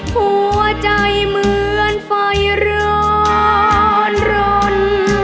หัวใจเหมือนไฟร้อนรน